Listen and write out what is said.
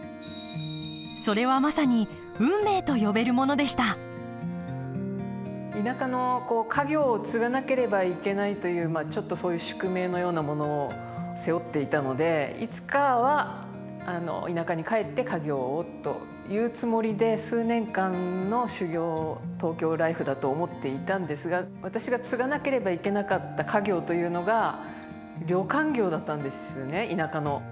それはまさに運命と呼べるものでした田舎の家業を継がなければいけないというちょっとそういう宿命のようなものを背負っていたのでいつかは田舎に帰って家業をというつもりで数年間の修業東京ライフだと思っていたんですが私が継がなければいけなかった家業というのが旅館業だったんですね田舎の。